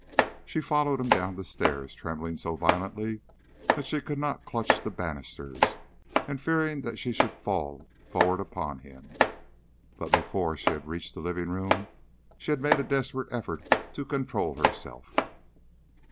She followed him down the stair, trembling so violently that she could not clutch the banisters, and fearing she should fall forward upon him. But before she had reached the living room she had made a desperate effort to control herself.